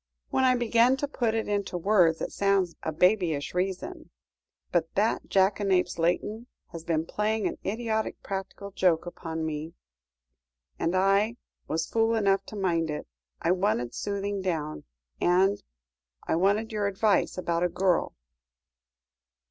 "When I begin to put it into words, it sounds a babyish reason; but that jackanapes, Layton, has been playing an idiotic practical joke upon me, and I was fool enough to mind it. I wanted soothing down; and I wanted your advice about a girl."